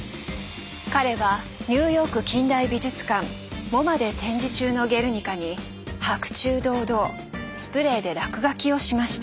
彼はニューヨーク近代美術館ＭｏＭＡで展示中の「ゲルニカ」に白昼堂々スプレーで落書きをしました。